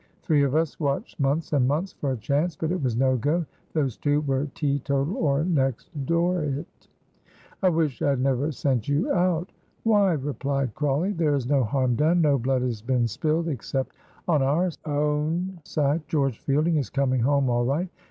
Three of us watched months and months for a chance, but it was no go; those two were teetotal or next door it." "I wish I had never sent you out." "Why," replied Crawley, "there is no harm done, no blood has been spilled except on our own side. George Fielding is coming home all right.